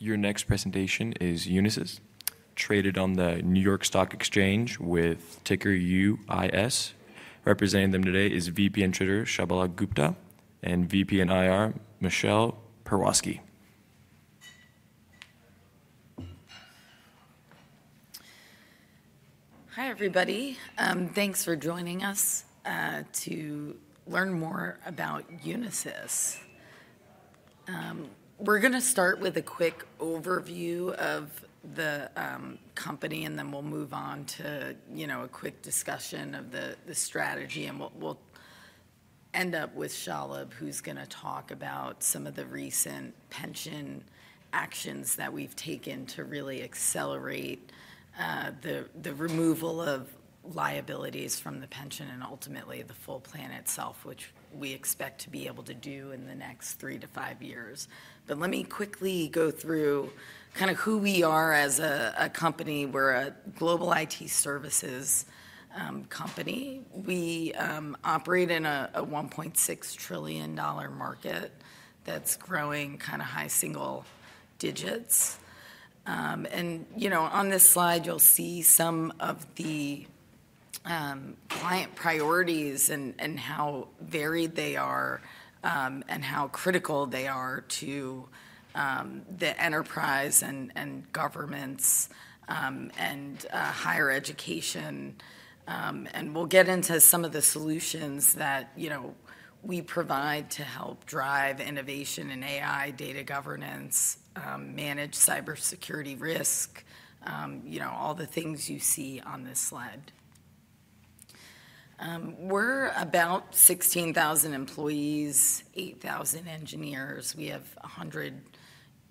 Your next presentation is Unisys, traded on the New York Stock Exchange with ticker UIS. Representing them today is VP and Trader Shalabh Gupta, and VP and IR, Michaela Pewarski. Hi everybody, thanks for joining us to learn more about Unisys. We're going to start with a quick overview of the company, and then we'll move on to a quick discussion of the strategy. We'll end up with Shalabh, who's going to talk about some of the recent pension actions that we've taken to really accelerate the removal of liabilities from the pension and ultimately the full plan itself, which we expect to be able to do in the next three to five years. Let me quickly go through kind of who we are as a company. We're a global IT services company. We operate in a $1.6 trillion market that's growing kind of high single digits. On this slide, you'll see some of the client priorities and how varied they are, and how critical they are to the enterprise and governments and higher education. We'll get into some of the solutions that we provide to help drive innovation in AI, data governance, manage cybersecurity risk, all the things you see on this slide. We're about 16,000 employees, 8,000 engineers. We have 100,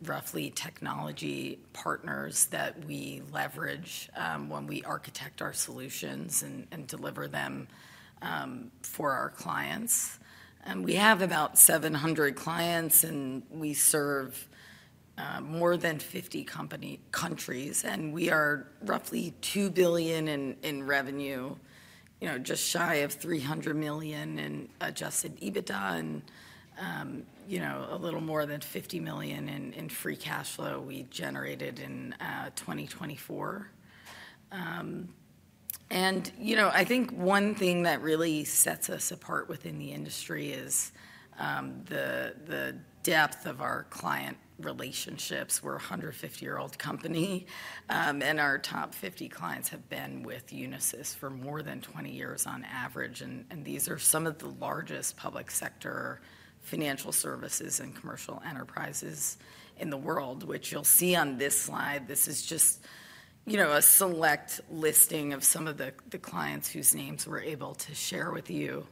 roughly, technology partners that we leverage when we architect our solutions and deliver them for our clients. We have about 700 clients, and we serve more than 50 companies and countries. We are roughly $2 billion in revenue, just shy of $300 million in adjusted EBITDA, and a little more than $50 million in free cash flow we generated in 2024. I think one thing that really sets us apart within the industry is the depth of our client relationships. We're a 150-year-old company, and our top 50 clients have been with Unisys for more than 20 years on average. These are some of the largest public sector financial services and commercial enterprises in the world, which you'll see on this slide. This is just a select listing of some of the clients whose names we're able to share with you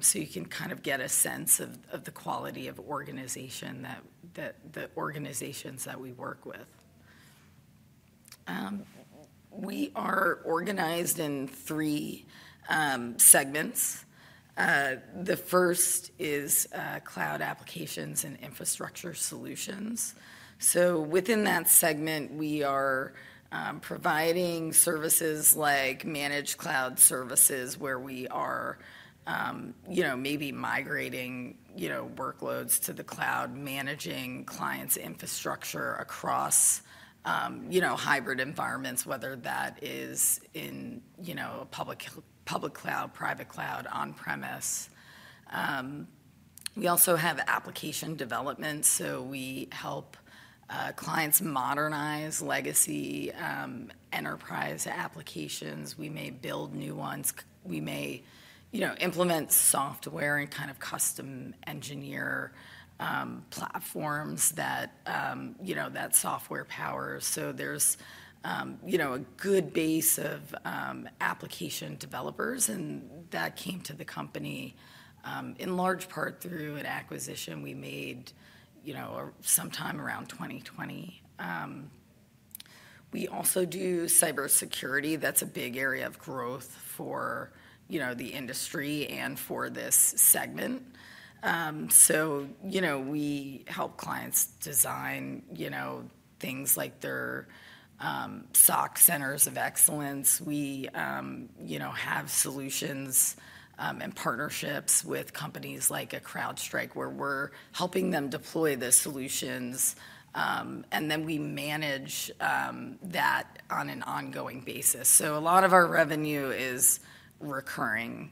so you can kind of get a sense of the quality of organization that the organizations that we work with. We are organized in three segments. The first is cloud applications and infrastructure solutions. Within that segment, we are providing services like managed cloud services where we are maybe migrating workloads to the cloud, managing clients' infrastructure across hybrid environments, whether that is in a public cloud, private cloud, on-premise. We also have application development. We help clients modernize legacy enterprise applications. We may build new ones. We may implement software and kind of custom engineer platforms that software powers. There's a good base of application developers, and that came to the company in large part through an acquisition we made sometime around 2020. We also do cybersecurity. That's a big area of growth for the industry and for this segment. We help clients design things like their SOC centers of excellence. We have solutions and partnerships with companies like CrowdStrike where we're helping them deploy the solutions, and then we manage that on an ongoing basis. A lot of our revenue is recurring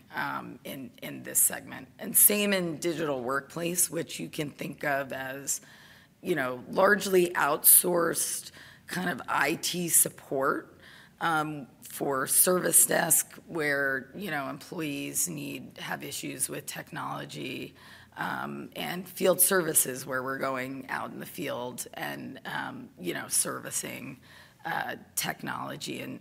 in this segment. The same in digital workplace, which you can think of as largely outsourced IT support for service desk where employees have issues with technology and field services where we're going out in the field and servicing technology.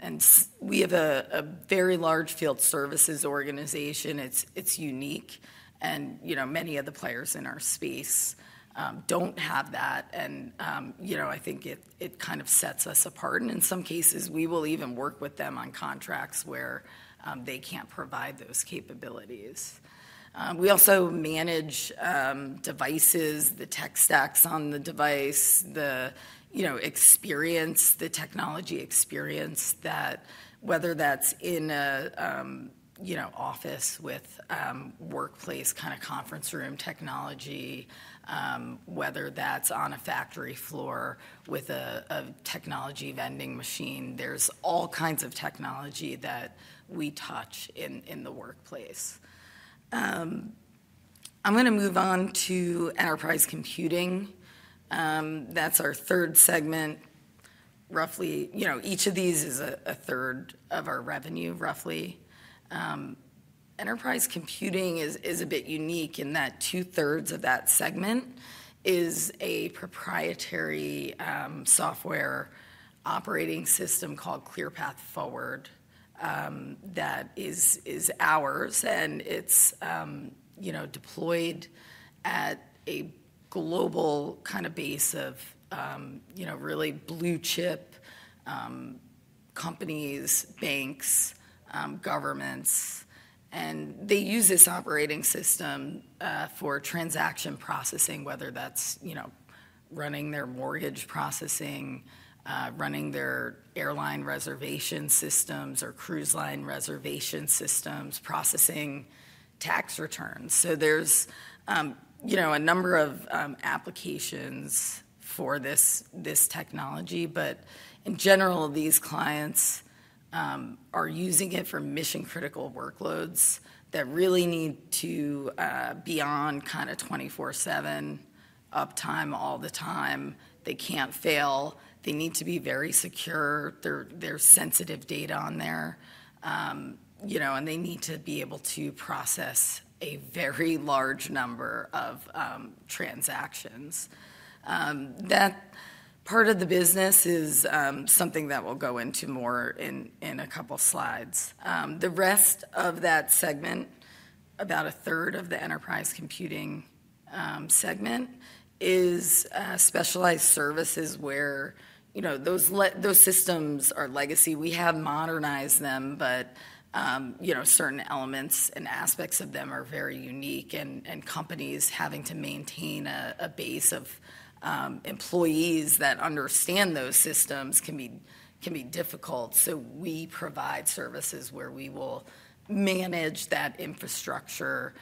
We have a very large field services organization. It's unique, and many of the players in our space don't have that. I think it kind of sets us apart. In some cases, we will even work with them on contracts where they can't provide those capabilities. We also manage devices, the tech stacks on the device, the experience, the technology experience, whether that's in an office with workplace kind of conference room technology, whether that's on a factory floor with a technology vending machine. There's all kinds of technology that we touch in the workplace. I'm going to move on to enterprise computing. That's our third segment. Roughly, each of these is a third of our revenue, roughly. Enterprise computing is a bit unique in that two-thirds of that segment is a proprietary software operating system called ClearPath Forward that is ours. It's deployed at a global kind of base of really blue chip companies, banks, governments. They use this operating system for transaction processing, whether that's running their mortgage processing, running their airline reservation systems, or cruise line reservation systems, processing tax returns. There's a number of applications for this technology. In general, these clients are using it for mission-critical workloads that really need to be on kind of 24/7 uptime all the time. They can't fail. They need to be very secure. There's sensitive data on there, and they need to be able to process a very large number of transactions. That part of the business is something that we'll go into more in a couple of slides. The rest of that segment, about a third of the enterprise computing segment, is specialized services where those systems are legacy. We have modernized them, but certain elements and aspects of them are very unique. Companies having to maintain a base of employees that understand those systems can be difficult. We provide services where we will manage that infrastructure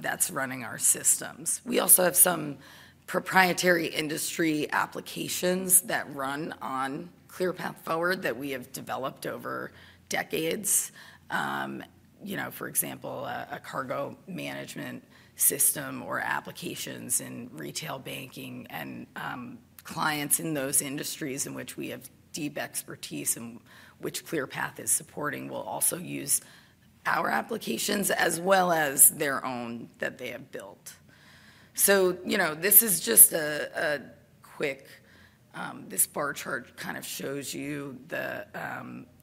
that's running our systems. We also have some proprietary industry applications that run on ClearPath Forward that we have developed over decades. For example, a cargo management system or applications in retail banking. Clients in those industries in which we have deep expertise and which ClearPath is supporting will also use our applications as well as their own that they have built. This is just a quick, this bar chart kind of shows you the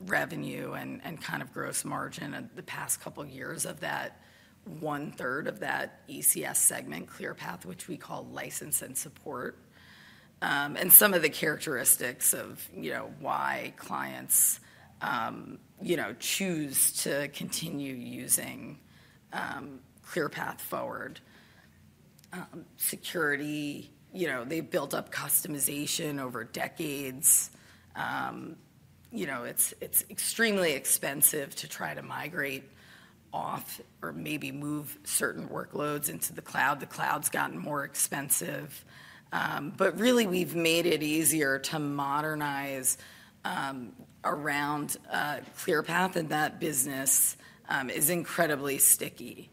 revenue and kind of gross margin of the past couple of years of that one-third of that ECS segment ClearPath, which we call license and support. Some of the characteristics of why clients choose to continue using ClearPath Forward are security, they've built up customization over decades, and it's extremely expensive to try to migrate off or maybe move certain workloads into the cloud. The cloud's gotten more expensive. We've made it easier to modernize around ClearPath, and that business is incredibly sticky.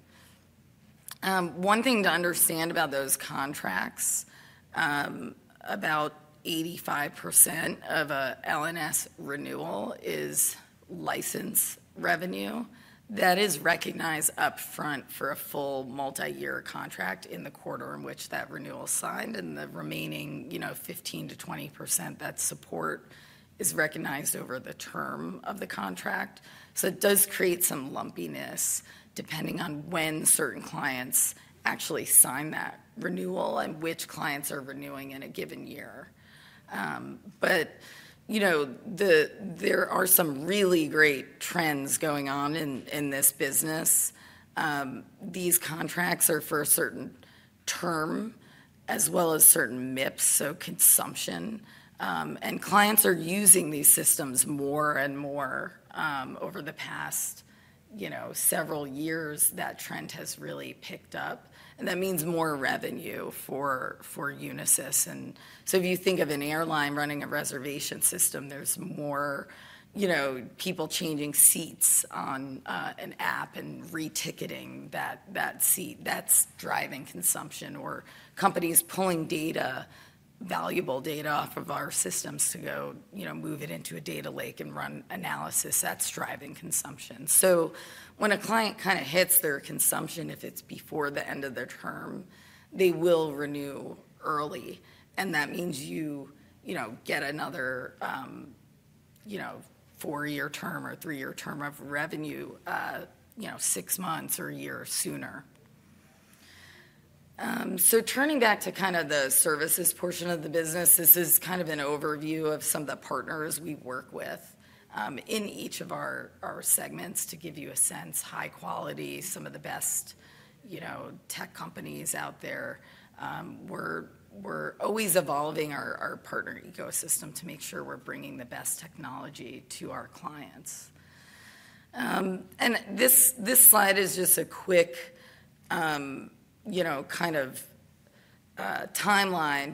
One thing to understand about those contracts, about 85% of an L&S renewal is license revenue that is recognized upfront for a full multi-year contract in the quarter in which that renewal is signed. The remaining 15%-20% that support is recognized over the term of the contract. It does create some lumpiness depending on when certain clients actually sign that renewal and which clients are renewing in a given year. There are some really great trends going on in this business. These contracts are for a certain term as well as certain MIPS, so consumption. Clients are using these systems more and more. Over the past several years, that trend has really picked up. That means more revenue for Unisys. If you think of an airline running a reservation system, there's more people changing seats on an app and reticketing that seat. That's driving consumption. Companies pulling valuable data off of our systems to move it into a data lake and run analysis is also driving consumption. When a client hits their consumption, if it's before the end of their term, they will renew early. That means you get another four-year term or three-year term of revenue six months or a year sooner. Turning back to the services portion of the business, this is an overview of some of the partners we work with in each of our segments to give you a sense of the high quality, some of the best tech companies out there. We're always evolving our partner ecosystem to make sure we're bringing the best technology to our clients. This slide is just a quick timeline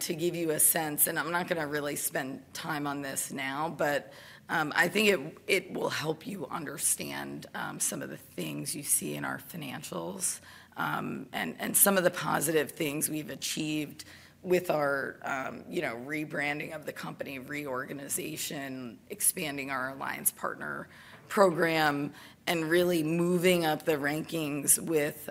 to give you a sense. I'm not going to really spend time on this now, but I think it will help you understand some of the things you see in our financials and some of the positive things we've achieved with our rebranding of the company, reorganization, expanding our Alliance Partner Program, and really moving up the rankings with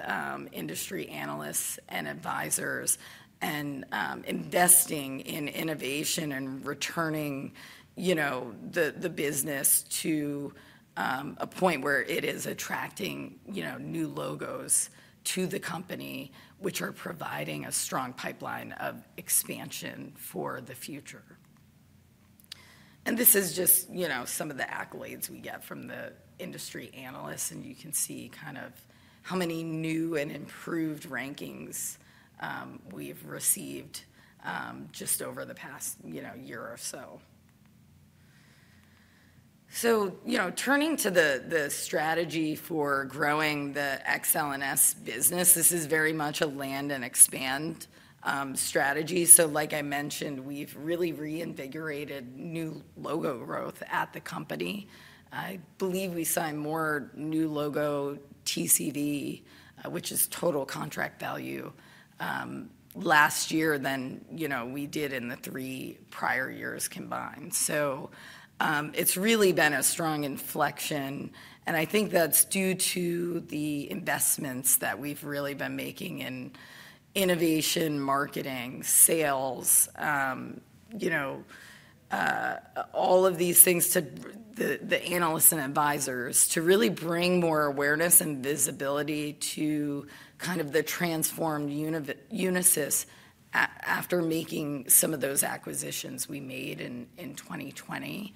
industry analysts and advisors, investing in innovation, and returning the business to a point where it is attracting new logos to the company, which are providing a strong pipeline of expansion for the future. This is just some of the accolades we get from the industry analysts. You can see how many new and improved rankings we've received just over the past year or so. Turning to the strategy for growing the XL&S business, this is very much a land and expand strategy. Like I mentioned, we've really reinvigorated new logo growth at the company. I believe we sign more new logo TCD, which is total contract value, last year than we did in the three prior years combined. It's really been a strong inflection. I think that's due to the investments that we've really been making in innovation, marketing, sales, all of these things to the analysts and advisors to really bring more awareness and visibility to kind of the transformed Unisys after making some of those acquisitions we made in 2020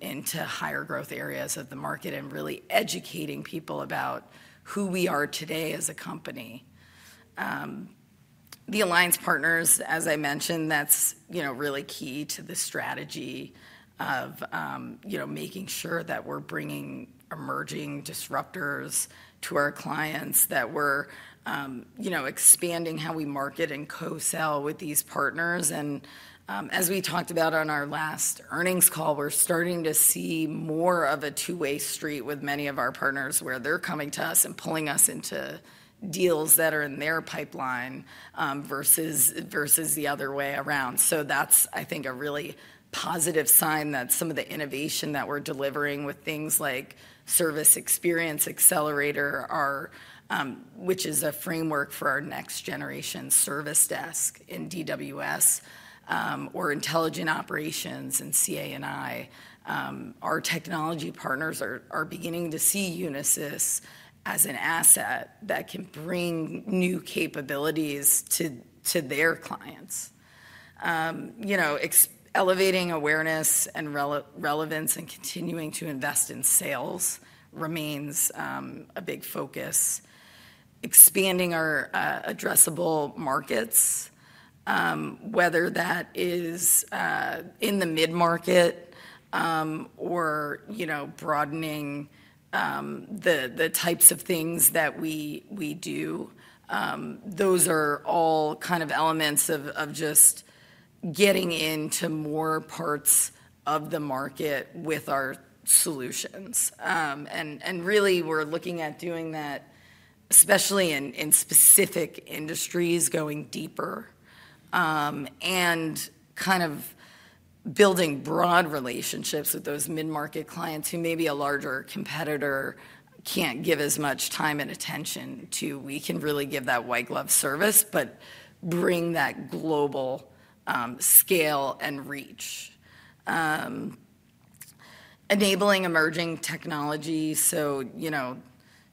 into higher growth areas of the market and really educating people about who we are today as a company. The Alliance Partners, as I mentioned, that's really key to the strategy of making sure that we're bringing emerging disruptors to our clients, that we're expanding how we market and co-sell with these partners. As we talked about on our last earnings call, we're starting to see more of a two-way street with many of our partners where they're coming to us and pulling us into deals that are in their pipeline versus the other way around. I think that's a really positive sign that some of the innovation that we're delivering with things like Service Experience Accelerator, which is a framework for our next generation service desk in Digital Workplace Solutions or Intelligent Operations in Cloud Applications & Infrastructure Solutions, our technology partners are beginning to see Unisys as an asset that can bring new capabilities to their clients. Elevating awareness and relevance and continuing to invest in sales remains a big focus. Expanding our addressable markets, whether that is in the mid-market or broadening the types of things that we do, those are all kind of elements of just getting into more parts of the market with our solutions. We're looking at doing that, especially in specific industries, going deeper and kind of building broad relationships with those mid-market clients who maybe a larger competitor can't give as much time and attention to. We can really give that white glove service but bring that global scale and reach, enabling emerging technology.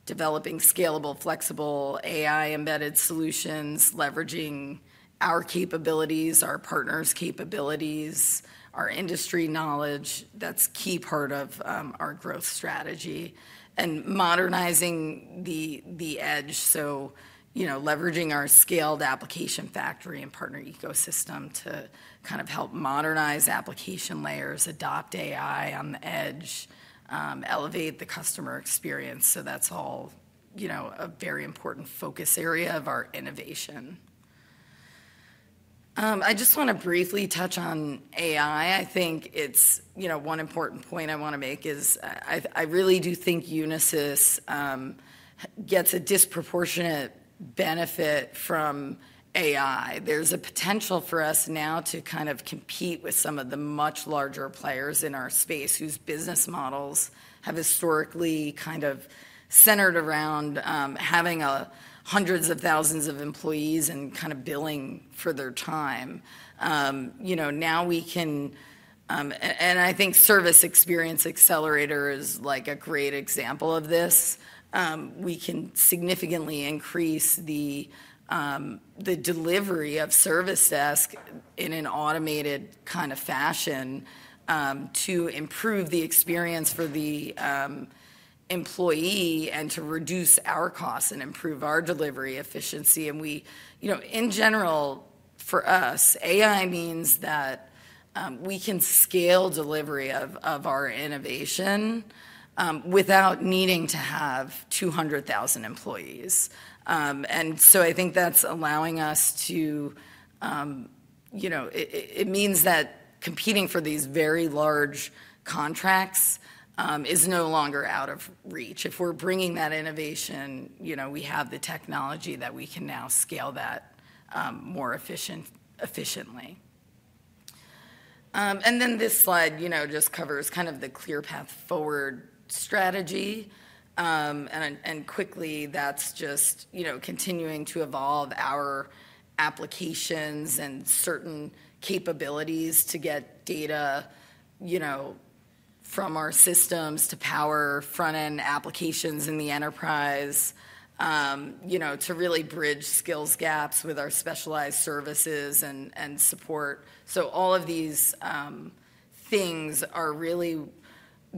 Developing scalable, flexible AI-embedded solutions, leveraging our capabilities, our partners' capabilities, our industry knowledge, that's a key part of our growth strategy. Modernizing the edge, leveraging our scaled application factory and partner ecosystem to kind of help modernize application layers, adopt AI on the edge, elevate the customer experience. That's all a very important focus area of our innovation. I just want to briefly touch on AI. I think it's, you know, one important point I want to make is I really do think Unisys gets a disproportionate benefit from AI. There's a potential for us now to kind of compete with some of the much larger players in our space whose business models have historically kind of centered around having hundreds of thousands of employees and kind of billing for their time. You know, now we can, and I think Service Experience Accelerator is like a great example of this. We can significantly increase the delivery of service desk in an automated kind of fashion to improve the experience for the employee and to reduce our costs and improve our delivery efficiency. You know, in general, for us, AI means that we can scale delivery of our innovation without needing to have 200,000 employees. I think that's allowing us to, you know, it means that competing for these very large contracts is no longer out of reach. If we're bringing that innovation, you know, we have the technology that we can now scale that more efficiently. This slide, you know, just covers kind of the ClearPath Forward strategy. Quickly, that's just, you know, continuing to evolve our applications and certain capabilities to get data, you know, from our systems to power front-end applications in the enterprise, you know, to really bridge skills gaps with our specialized services and support. All of these things are really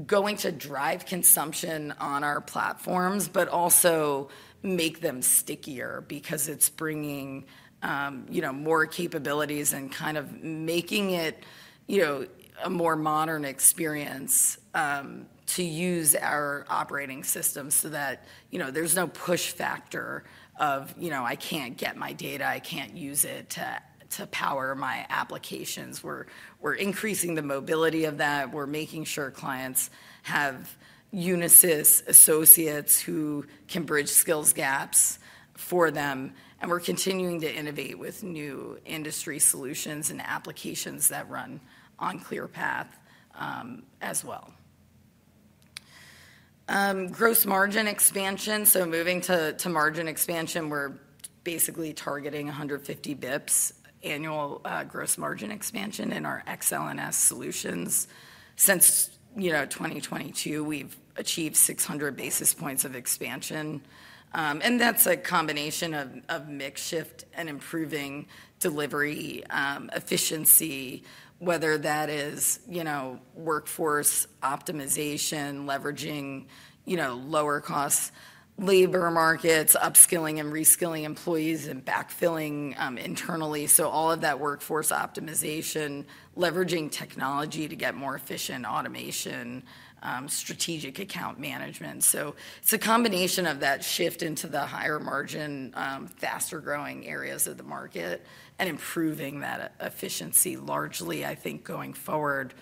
going to drive consumption on our platforms, but also make them stickier because it's bringing, you know, more capabilities and kind of making it, you know, a more modern experience to use our operating systems so that, you know, there's no push factor of, you know, I can't get my data, I can't use it to power my applications. We're increasing the mobility of that. We're making sure clients have Unisys associates who can bridge skills gaps for them. We're continuing to innovate with new industry solutions and applications that run on ClearPath Forward as well. Gross margin expansion. Moving to margin expansion, we're basically targeting 150 basis points annual gross margin expansion in our XL&S solutions. Since 2022, we've achieved 600 basis points of expansion. That's a combination of mix shift and improving delivery efficiency, whether that is workforce optimization, leveraging lower cost labor markets, upskilling and reskilling employees, and backfilling internally. All of that workforce optimization, leveraging technology to get more efficient automation, strategic account management. It is a combination of that shift into the higher margin, faster growing areas of the market and improving that efficiency largely. I think going forward,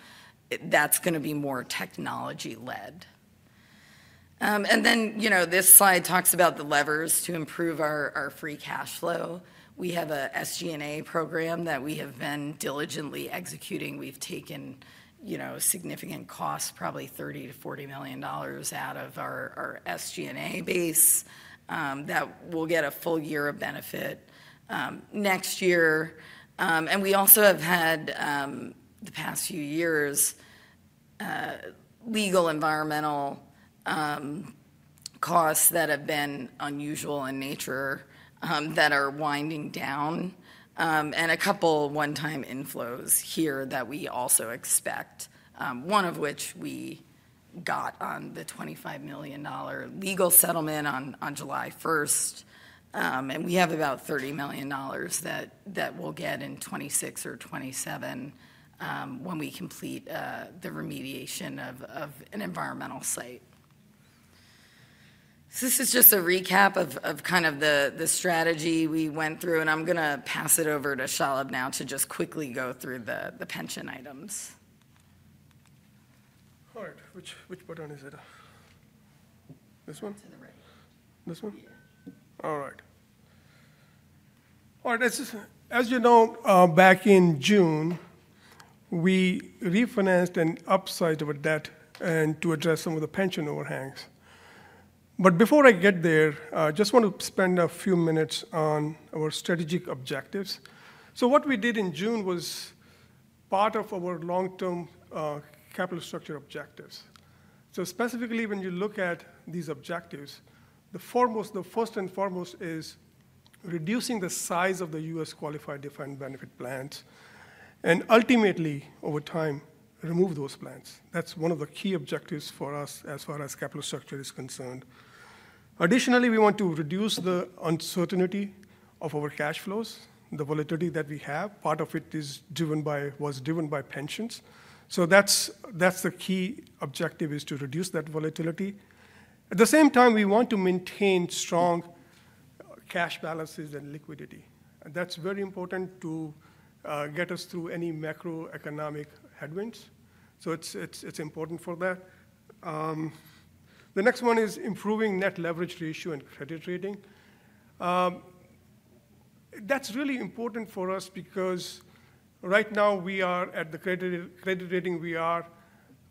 that's going to be more technology led. This slide talks about the levers to improve our free cash flow. We have an SG&A program that we have been diligently executing. We've taken significant costs, probably $30-$40 million, out of our SG&A base that will get a full year of benefit next year. We also have had the past few years legal environmental costs that have been unusual in nature that are winding down and a couple of one-time inflows here that we also expect, one of which we got on the $25 million legal settlement on July 1. We have about $30 million that we'll get in 2026 or 2027 when we complete the remediation of an environmental site. This is just a recap of the strategy we went through. I'm going to pass it over to Shalabh now to quickly go through the pension items. All right. Which button is it? This one? To the right. This one? Yeah. All right. As you know, back in June, we refinanced an upsized amount of debt to address some of the pension overhangs. Before I get there, I just want to spend a few minutes on our strategic objectives. What we did in June was part of our long-term capital structure objectives. Specifically, when you look at these objectives, the first and foremost is reducing the size of the U.S. qualified defined benefit plans and ultimately, over time, remove those plans. That's one of the key objectives for us as far as capital structure is concerned. Additionally, we want to reduce the uncertainty of our cash flows, the volatility that we have. Part of it is driven by what's driven by pensions. The key objective is to reduce that volatility. At the same time, we want to maintain strong cash balances and liquidity. That's very important to get us through any macroeconomic headwinds. It's important for that. The next one is improving net leverage ratio and credit rating. That's really important for us because right now we are at the credit rating we are.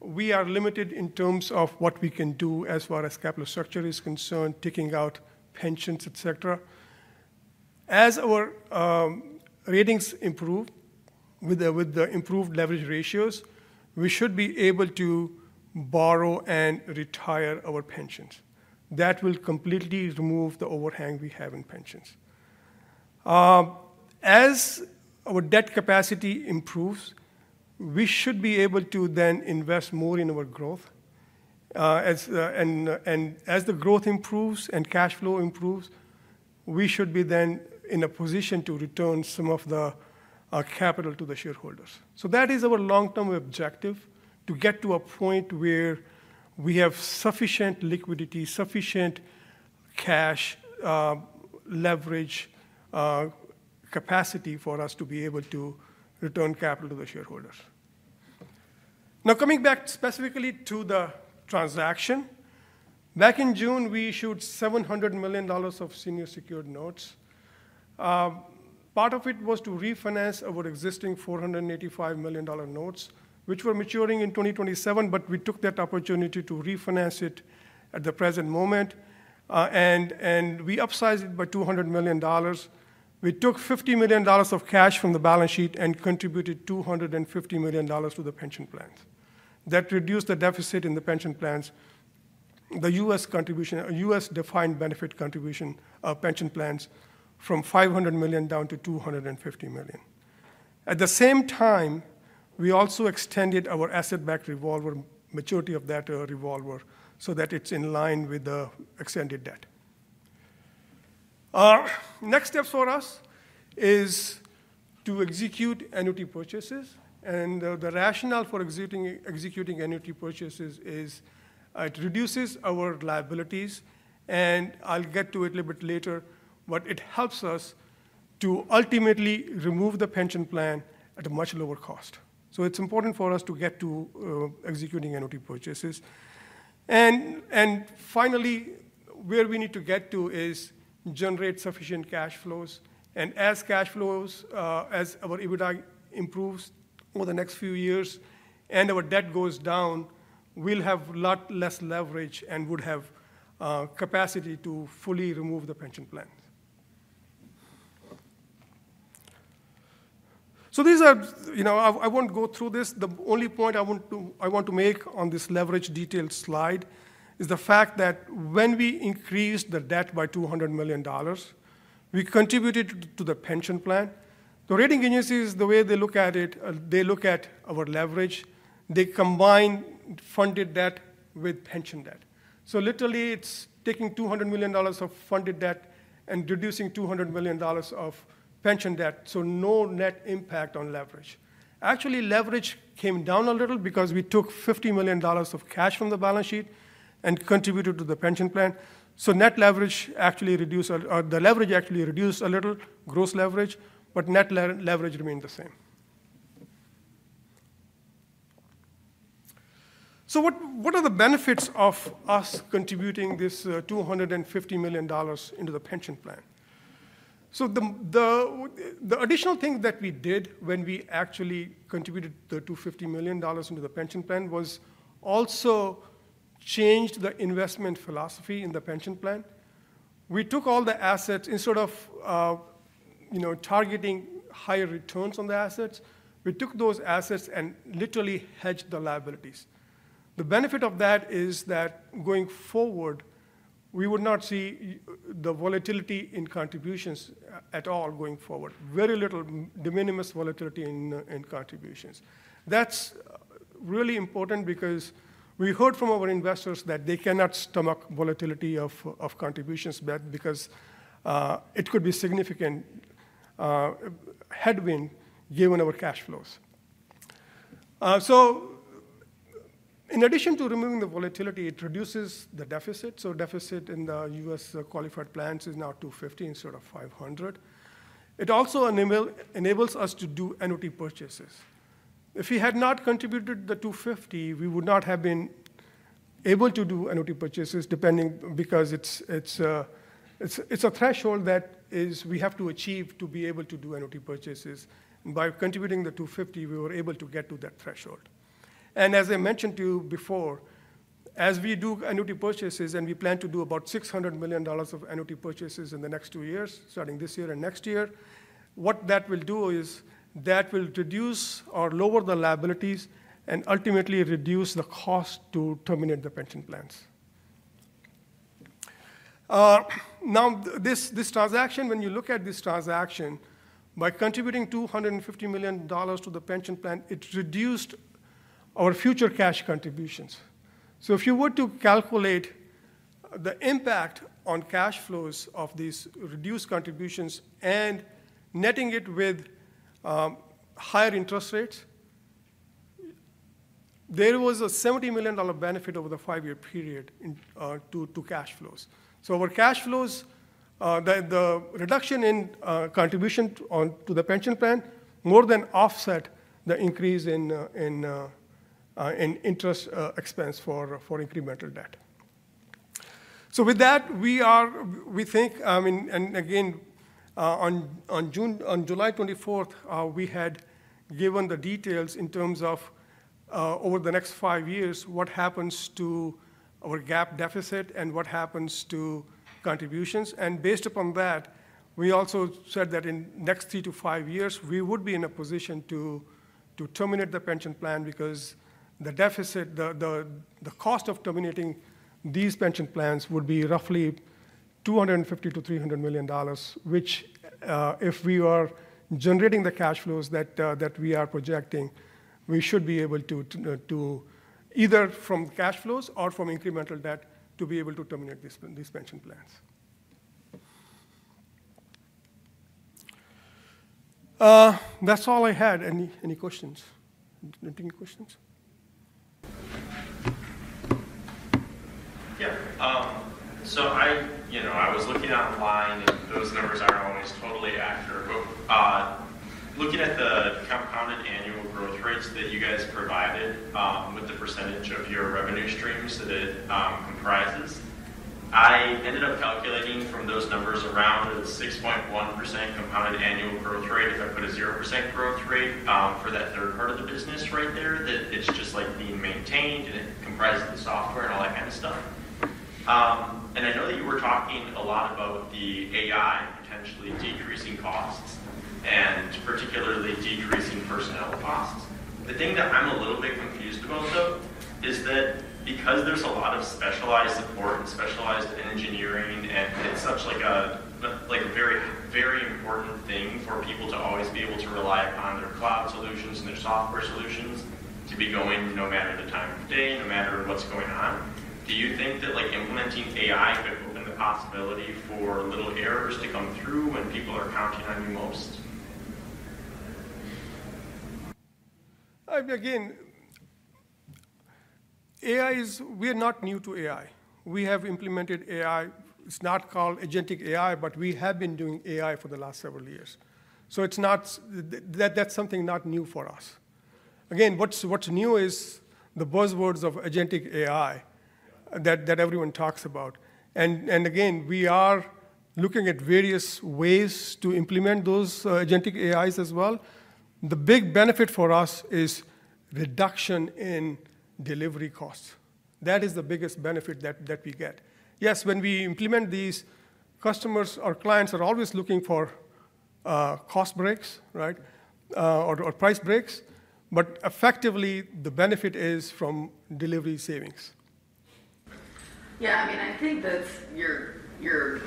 We are limited in terms of what we can do as far as capital structure is concerned, taking out pensions, etc. As our ratings improve with the improved leverage ratios, we should be able to borrow and retire our pensions. That will completely remove the overhang we have in pensions. As our debt capacity improves, we should be able to then invest more in our growth. As the growth improves and cash flow improves, we should be then in a position to return some of the capital to the shareholders. That is our long-term objective, to get to a point where we have sufficient liquidity, sufficient cash leverage capacity for us to be able to return capital to the shareholders. Now, coming back specifically to the transaction, back in June, we issued $700 million of senior secured notes. Part of it was to refinance our existing $485 million notes, which were maturing in 2027, but we took that opportunity to refinance it at the present moment. We upsized it by $200 million. We took $50 million of cash from the balance sheet and contributed $250 million to the pension plans. That reduced the deficit in the pension plans, the U.S. defined benefit contribution pension plans, from $500 million down to $250 million. At the same time, we also extended our asset-backed revolver, maturity of that revolver, so that it's in line with the extended debt. Our next step for us is to execute annuity purchases. The rationale for executing annuity purchases is it reduces our liabilities. I'll get to it a little bit later, but it helps us to ultimately remove the pension plan at a much lower cost. It's important for us to get to executing annuity purchases. Finally, where we need to get to is generate sufficient cash flows. As cash flows, as our EBITDA improves over the next few years and our debt goes down, we'll have a lot less leverage and would have capacity to fully remove the pension plan. These are, you know, I won't go through this. The only point I want to make on this leverage detailed slide is the fact that when we increased the debt by $200 million, we contributed to the pension plan. The rating agencies, the way they look at it, they look at our leverage. They combine funded debt with pension debt. Literally, it's taking $200 million of funded debt and reducing $200 million of pension debt. No net impact on leverage. Actually, leverage came down a little because we took $50 million of cash from the balance sheet and contributed to the pension plan. Net leverage actually reduced, the leverage actually reduced a little, gross leverage, but net leverage remained the same. What are the benefits of us contributing this $250 million into the pension plan? The additional thing that we did when we actually contributed the $250 million into the pension plan was also changed the investment philosophy in the pension plan. We took all the assets instead of, you know, targeting higher returns on the assets. We took those assets and literally hedged the liabilities. The benefit of that is that going forward, we would not see the volatility in contributions at all going forward. Very little de minimis volatility in contributions. That's really important because we heard from our investors that they cannot stomach volatility of contributions because it could be a significant headwind given our cash flows. In addition to removing the volatility, it reduces the deficit. Deficit in the U.S. qualified plans is now $250 million instead of $500 million. It also enables us to do annuity purchases. If we had not contributed the $250 million, we would not have been able to do annuity purchases depending because it's a threshold that we have to achieve to be able to do annuity purchases. By contributing the $250 million, we were able to get to that threshold. As I mentioned to you before, as we do annuity purchases and we plan to do about $600 million of annuity purchases in the next two years, starting this year and next year, what that will do is reduce or lower the liabilities and ultimately reduce the cost to terminate the pension plans. This transaction, when you look at this transaction, by contributing $250 million to the pension plan, reduced our future cash contributions. If you were to calculate the impact on cash flows of these reduced contributions and netting it with higher interest rates, there was a $70 million benefit over the five-year period to cash flows. Our cash flows, the reduction in contribution to the pension plan, more than offset the increase in interest expense for incremental debt. With that, we think, I mean, on July 24th, we had given the details in terms of over the next five years, what happens to our gap deficit and what happens to contributions. Based upon that, we also said that in the next three to five years, we would be in a position to terminate the pension plan because the deficit, the cost of terminating these pension plans would be roughly $250-$300 million, which if we are generating the cash flows that we are projecting, we should be able to either from cash flows or from incremental debt to be able to terminate these pension plans. That's all I had. Any questions? Any questions? Yeah. I was looking online and those numbers aren't always totally accurate. Looking at the compounded annual growth rates that you guys provided with the % of your revenue streams that it comprises, I ended up calculating from those numbers around a 6.1% compounded annual growth rate. If I put a 0% growth rate for that third part of the business right there, that it's just like being maintained and it comprises the software and all that kind of stuff. I know that you were talking a lot about the AI potentially decreasing costs and particularly decreasing personnel costs. The thing that I'm a little bit confused about, though, is that because there's a lot of specialized support and specialized engineering and it's such a very, very important thing for people to always be able to rely upon their cloud solutions and their software solutions to be going no matter the time of day, no matter what's going on. Do you think that implementing AI could open the possibility for little errors to come through when people are contributing most? Again, we are not new to AI. We have implemented AI. It's not called agentic AI, but we have been doing AI for the last several years. It's not that that's something not new for us. What's new is the buzzwords of agentic AI that everyone talks about. We are looking at various ways to implement those agentic AIs as well. The big benefit for us is reduction in delivery costs. That is the biggest benefit that we get. Yes, when we implement these, customers or clients are always looking for cost breaks, right, or price breaks. Effectively, the benefit is from delivery savings. Yeah, I mean, I think that you're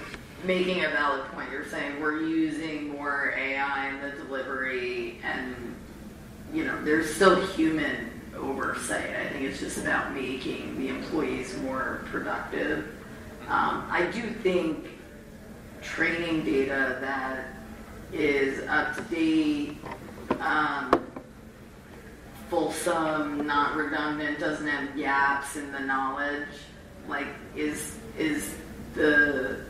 making a valid point. You're saying we're using more AI in the delivery and, you know, there's still human oversight. I think it's just about making the employees more productive. I do think training data that is up to date, full-sum, not redundant, doesn't have gaps in the knowledge, like is the,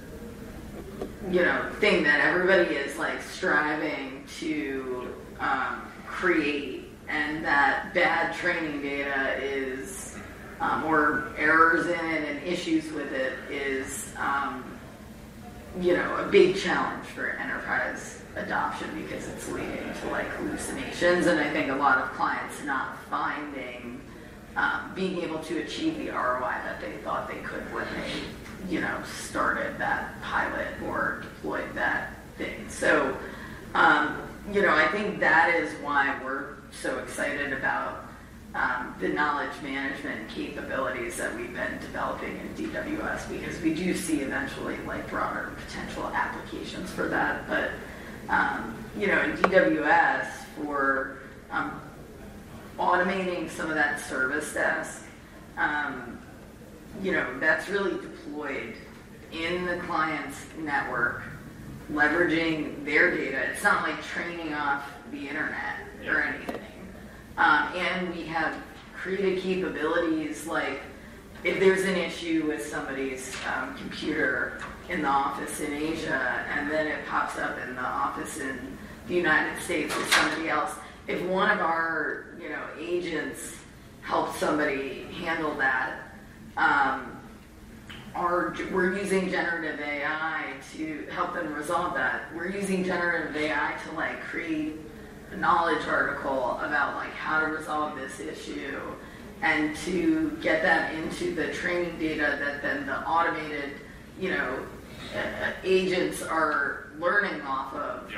you know, thing that everybody is like striving to create. That bad training data or errors in and issues with it is, you know, a big challenge for enterprise adoption because it's leading to like hallucinations. I think a lot of clients not finding being able to achieve the ROI that they thought they could when they, you know, started that pilot or deployed that thing. I think that is why we're so excited about the knowledge management capabilities that we've been developing in DWS because we do see eventually like broader potential applications for that. In DWS, for automating some of that service desk, you know, that's really deployed in the client's network, leveraging their data. It's not like training off the internet or anything. We have created capabilities like if there's an issue with somebody's computer in the office in Asia and then it pops up in the office in the United States with somebody else, if one of our, you know, agents helps somebody handle that, we're using generative AI to help them resolve that. We're using generative AI to like create a knowledge article about like how to resolve this issue and to get that into the training data that then the automated, you know, agents are learning off of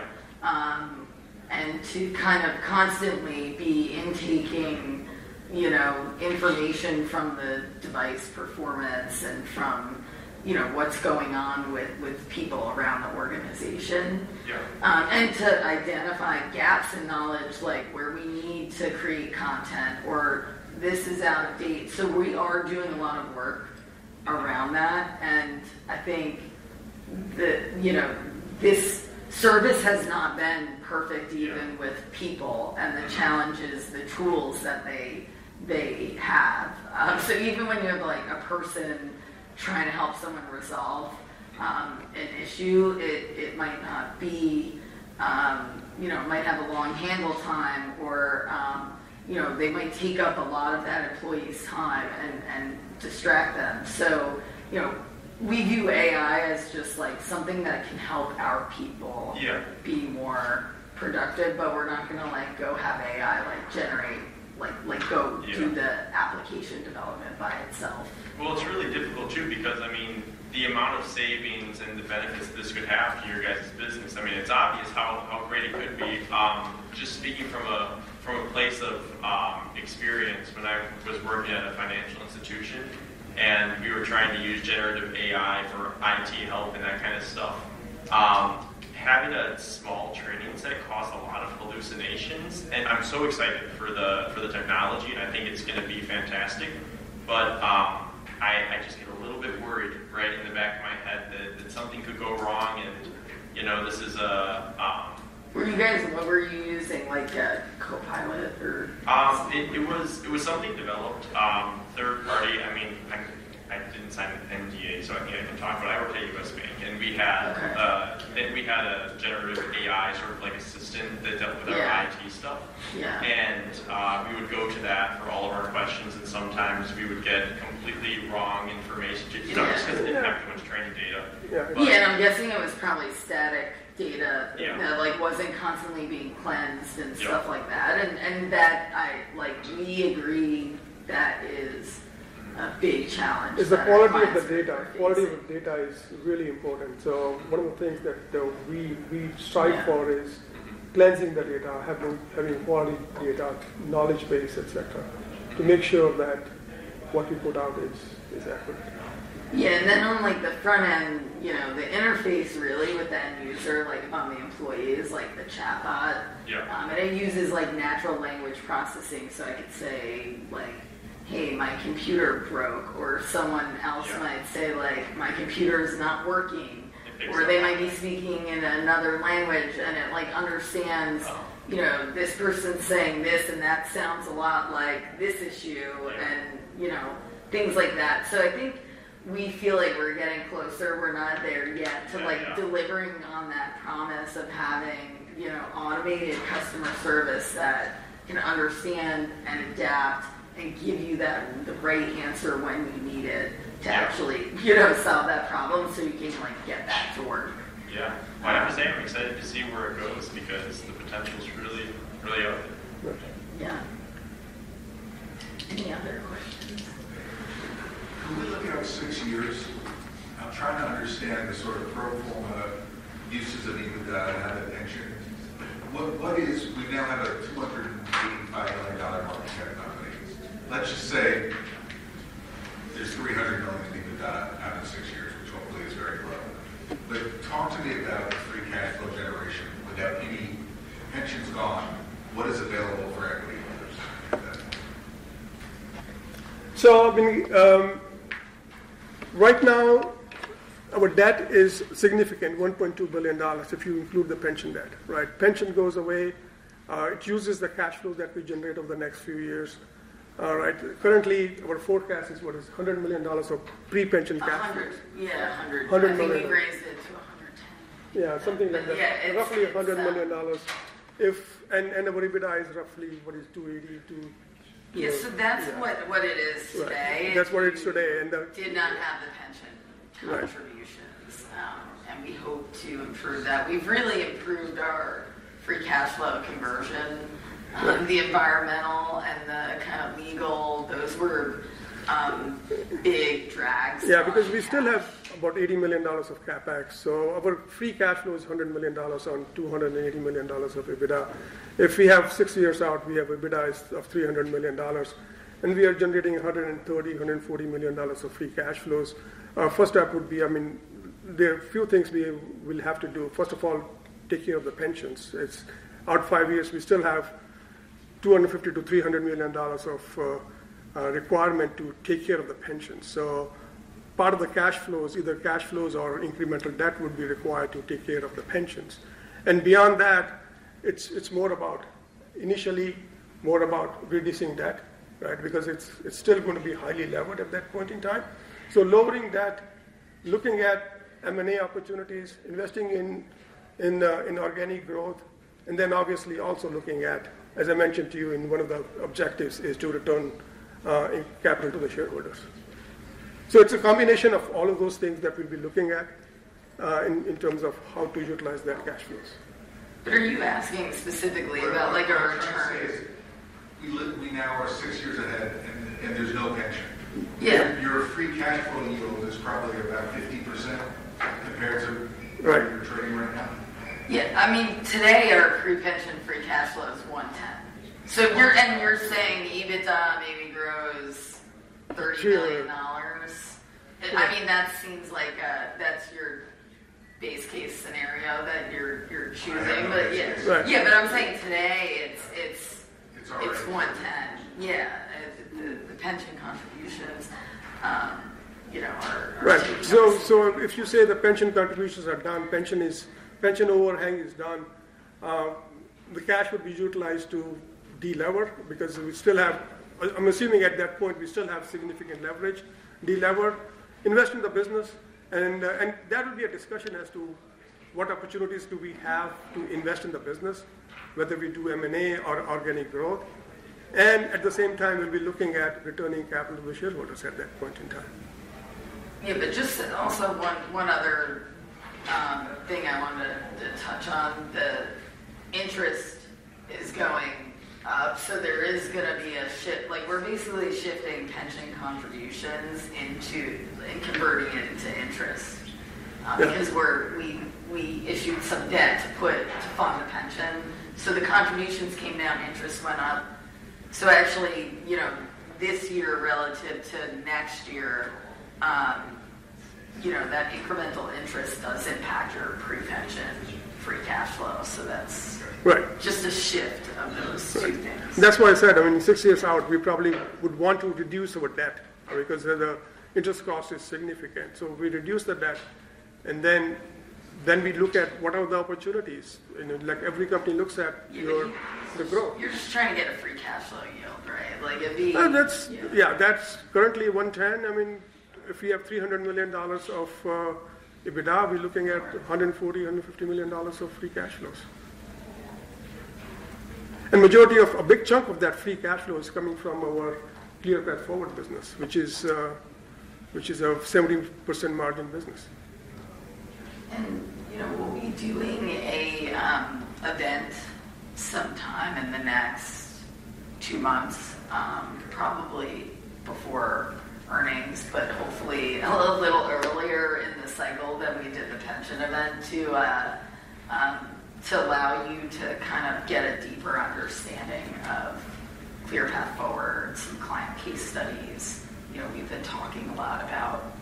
and to kind of constantly be intaking, you know, information from the device performance and from, you know, what's going on with people around the organization. To identify gaps in knowledge, like where we need to create content or this is out of date. We are doing a lot of work around that. I think that, you know, this service has not been perfect even with people and the challenges, the tools that they have. Even when you have like a person trying to help someone resolve an issue, it might not be, you know, it might have a long handle time or, you know, they might take up a lot of that employee's time and distract them. We view AI as just like something that can help our people be more productive, but we're not going to like go have AI like generate, like go do the application development by itself. It's really difficult too because, I mean, the amount of savings and the benefits this could have for your guys' business. I mean, it's obvious how great it could be. Just speaking from a place of experience, when I was working at a financial institution and we were trying to use generative AI for IT help and that kind of stuff, having a small training set caused a lot of hallucinations. I'm so excited for the technology, and I think it's going to be fantastic. I just get a little bit worried right in the back of my head that something could go wrong and, you know, this is the. Were you guys, and what were you using, like a copilot? It was something developed, third party. I mean, I didn't sign an NDA, so I can't even talk, but I worked at U.S. Bank. We had a generative AI sort of like assistant that dealt with our IT stuff. We would go to that for all of our questions, and sometimes we would get completely wrong information. It starts with the actual training data. Yeah. Yeah. I'm guessing it was probably static data, kind of like wasn't constantly being cleansed and stuff like that. I like, do we agree that is a big challenge. The quality of the data is really important. One of the things that we strive for is cleansing the data, having quality data, knowledge base, et cetera, to make sure that what you put out is accurate. Yeah. On the front end, the interface really with that user, like if I'm the employee, the chatbot uses natural language processing. I could say, "Hey, my computer broke," or someone else might say, "My computer is not working," or they might be speaking in another language and it understands this person is saying this and that sounds a lot like this issue, things like that. I think we feel like we're getting closer. We're not there yet to delivering on that promise of having automated customer service that can understand and adapt and give you the right answer when you need it to actually solve that problem so you can get that forward. I understand we're excited to see where it goes because the potential is really, really open. Any other questions? Are we looking up six years to try to understand the sort of current form of uses of EBITDA and other entry? We now have a $255 million market cap. Let's just say there's $300 million of EBITDA in the past, which is very low. If we calculate that free cash flow generation without any pensions. Right now, our debt is significant, $1.2 billion, if you include the pension debt, right? Pension goes away. It uses the cash flow that we generate over the next few years. Currently, our forecast is what is $100 million of pre-pension cap. Yeah, we're going to raise it to $100 million. Yeah, something like that. Roughly $100 million. Our EBITDA is roughly, what is $280 to. Yeah, that's what it is today. That's what it is today. did not have the pension contributions. We hope to improve that. We've really improved our free cash flow conversion. The environmental and the kind of legal, those were big drags. Yeah, because we still have about $80 million of CapEx. Our free cash flow is $100 million on $280 million of EBITDA. If we have six years out, we have EBITDA of $300 million, and we are generating $130 million, $140 million of free cash flows. Our first step would be, I mean, there are a few things we will have to do. First of all, take care of the pensions. It's out five years. We still have $250 million to $300 million of requirement to take care of the pensions. Part of the cash flows, either cash flows or incremental debt, would be required to take care of the pensions. Beyond that, it's more about initially more about reducing debt, right? It's still going to be highly levered at that point in time. Lowering debt, looking at M&A opportunities, investing in organic growth, and then obviously also looking at, as I mentioned to you, one of the objectives is to return capital to the shareholders. It's a combination of all of those things that we'll be looking at in terms of how to utilize that cash base. What are you asking specifically about, like our entire? We now are six years ahead and there's no mention. Your free cash flow in total is probably about 50% compared to where you're trading right now. Yeah, I mean, today our free pension and free cash flow is $110 million. You're saying the EBITDA maybe grows $30 million? That seems like that's your base case scenario that you're tuning. Yeah, I'm saying today it's $110 million. Yeah, the pension contributions. Right. If you say the pension contributions are done, pension overhang is done, the cash would be utilized to de-lever because we still have, I'm assuming at that point we still have significant leverage, de-lever, invest in the business. That would be a discussion as to what opportunities do we have to invest in the business, whether we do M&A or organic growth. At the same time, we'll be looking at returning capital to the shareholders at that point in time. Yeah, just also one other thing I wanted to touch on. The interest is going up. There is going to be a shift. Like we're basically shifting pension contributions into converting it into interest because we issue some debt to put funds in pension. The contributions came down, interest went up. Actually, you know, this year relative to next year, that incremental interest does impact your pre-pension free cash flow. That's just a shift of those. That's why I said, I mean, six years out, we probably would want to reduce our debt because the interest cost is significant. We reduce the debt, and then we look at what are the opportunities. Like every company looks at your growth. You're just trying to get a free cash flow yield, right? Like it'd be. Yeah, that's currently 110. I mean, if we have $300 million of EBITDA, we're looking at $140, $150 million of free cash flows. The majority of a big chunk of that free cash flow is coming from our ClearPath Forward business, which is a 70% margin business. We will be doing an event sometime in the next two months, probably before earnings, but hopefully a little earlier in the cycle than we did the pension event to allow you to get a deeper understanding of ClearPath Forward, some client case studies. We have been talking a lot about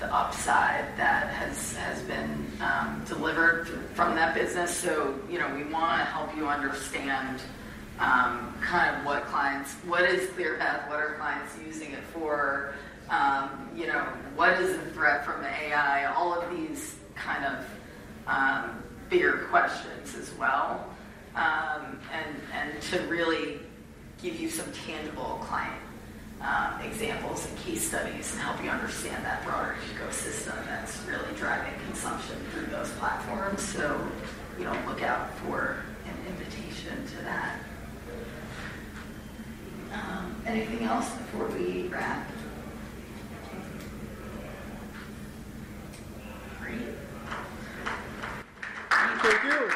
the upside that has been delivered from that business. We want to help you understand what clients, what is ClearPath, what are clients using it for, what is the threat from AI, all of these bigger questions as well. We want to really give you some tangible client examples of case studies and help you understand that broader ecosystem that is really driving consumption through those platforms. Look out for an invitation to that. Anything else before we wrap? Anything else.